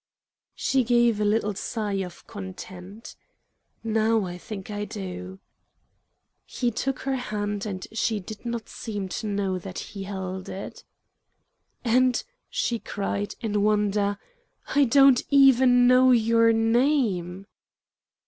She gave a little sigh of content. "Now I think I do." He took her hand, and she did not seem to know that he held it. "And," she cried, in wonder, "I DON'T EVEN KNOW YOUR NAME!"